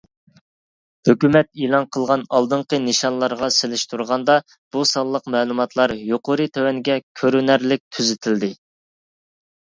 ھۆكۈمەت ئېلان قىلغان ئالدىنقى نىشانلارغا سېلىشتۇرغاندا ، بۇ سانلىق مەلۇماتلار يۇقىرى-تۆۋەنگە كۆرۈنەرلىك تۈزىتىلدى.